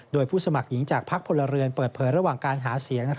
โดยผู้สมัครหญิงจากพักพลเรือนเปิดเผยระหว่างการหาเสียง